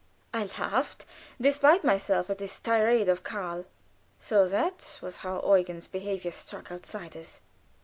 I laughed, despite myself, at this tirade of Karl. So that was how Eugen's behavior struck outsiders!